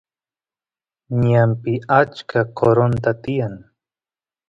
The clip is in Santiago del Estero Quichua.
ñanpi achka qoronta tiyan